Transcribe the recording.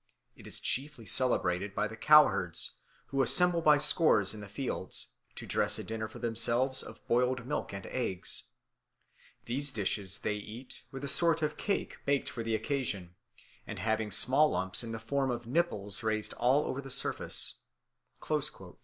It is chiefly celebrated by the cow herds, who assemble by scores in the fields, to dress a dinner for themselves, of boiled milk and eggs. These dishes they eat with a sort of cakes baked for the occasion, and having small lumps in the form of nipples, raised all over the surface."